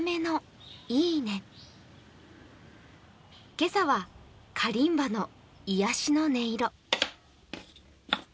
今朝はカリンバの癒やしの音色。